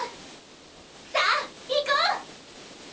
さあ行こう！